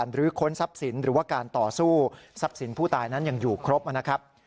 หรือค้นทรัพย์สินหรือว่าการต่อสู้ทรัพย์สินผู้ตายนั้นยังอยู่ครบนะครับ